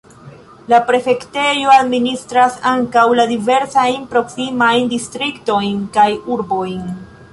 La prefektejo administras ankaŭ la diversajn proksimajn distriktojn kaj urbojn.